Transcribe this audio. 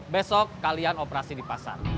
besok kalian operasi di pasar